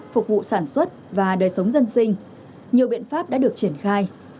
phục vụ sản xuất và đời sống dân sinh nhiều biện pháp đã được triển khai